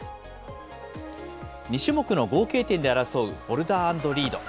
２種目の合計点で争うボルダー＆リード。